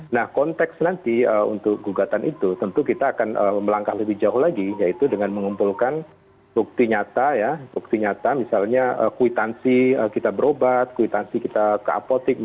nah konteks nanti untuk gugatan itu tentu kita akan melangkah lebih jauh lagi yaitu dengan mengumpulkan bukti nyata ya bukti nyata misalnya kuitansi kita berobat kuitansi kita ke apotik